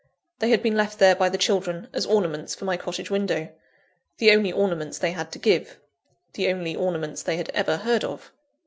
They had been left there by the children, as ornaments for my cottage window the only ornaments they had to give; the only ornaments they had ever heard of.